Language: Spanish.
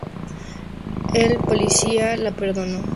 El policía le perdona la multa, sobre advertencia.